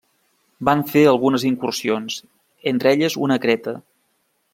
Van fer algunes incursions, entre elles una a Creta.